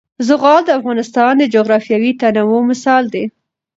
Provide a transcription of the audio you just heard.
زغال د افغانستان د جغرافیوي تنوع مثال دی.